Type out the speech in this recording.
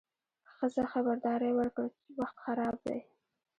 ښځه خبرداری ورکړ: وخت خراب دی.